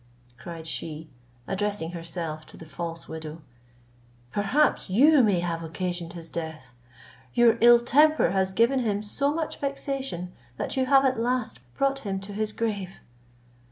cried she, addressing herself to the false widow, "perhaps you may have occasioned his death. Your ill temper has given him so much vexation, that you have at last brought him to his grave."